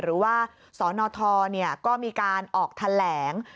หรือว่าสนทก็มีการออกแถลง